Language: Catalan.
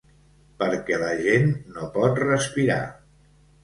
Perquè la gent no pot respirar!